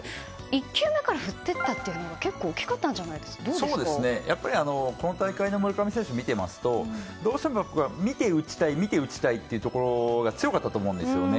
１球目から振っていったというのが結構やっぱりこの大会の村上選手を見ていますとどうしても見て打ちたい見て打ちたいっていうところが強かったと思うんですよね。